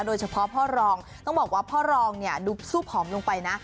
โดยเฉพาะพ่อรองต้องบอกว่าพ่อรองเนี่ยดูสู้ผอมลงไปนะ